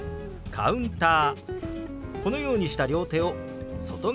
「カウンター」。